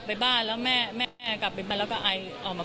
พูดสิทธิ์ข่าวธรรมดาทีวีรายงานสดจากโรงพยาบาลพระนครศรีอยุธยาครับ